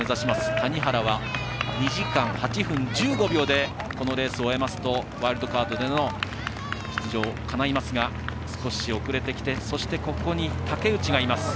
谷原は２時間８分１５秒でこのレースを終えますとワイルドカードでの出場かないますが少し遅れてきてそしてここに竹内がいます。